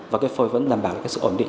và phôi vẫn đảm bảo sự ổn định